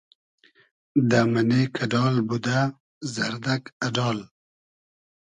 دۂ مئنې کئۮال بودۂ زئردئگ اۮال